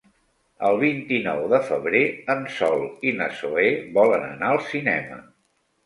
El vint-i-nou de febrer en Sol i na Zoè volen anar al cinema.